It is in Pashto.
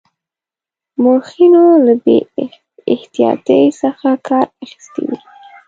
مورخینو له بې احتیاطی څخه کار اخیستی وي.